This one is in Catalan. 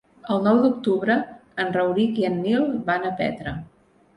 El nou d'octubre en Rauric i en Nil van a Petra.